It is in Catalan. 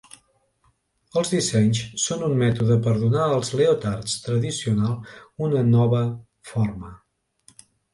Els dissenys són un mètode per donar als leotards tradicional una nova forma.